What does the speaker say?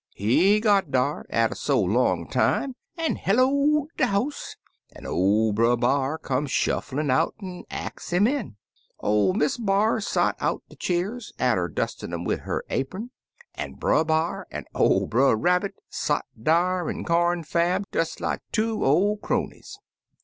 He got dar, atter so long a time, an' hello'd de house, an' oF Brer B*ar come shufflin' out an' ax him in. Or Miss B'ar sot out de cheers, atter dustin' um wid her apem, an* Brer B'ar an' ol' Brer Rabbit sot dar an' confabbed des like two or cronies.